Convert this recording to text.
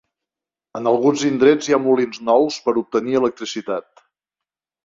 En alguns indrets hi ha molins nous per a obtenir electricitat.